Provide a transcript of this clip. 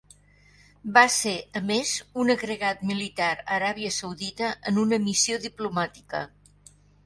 Va ser a més un agregat militar a Aràbia Saudita en una missió diplomàtica.